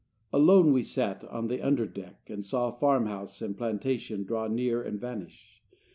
Alone we sat On the under deck, and saw Farm house and plantation draw Near and vanish.